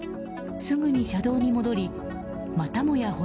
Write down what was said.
すぐに車道に戻りまたもや